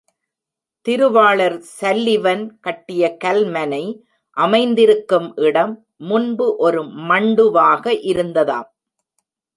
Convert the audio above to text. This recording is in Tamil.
திருவாளர் சல்லிவன் கட்டிய கல்மனை அமைந்திருக்கும் இடம், முன்பு ஒரு மண்டுவாக இருந்ததாம்.